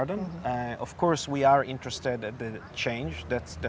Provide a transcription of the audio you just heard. tentu saja kami berminat dengan perubahan